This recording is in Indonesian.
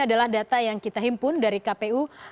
adalah data yang kita himpun dari kpu